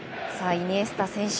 イニエスタ選手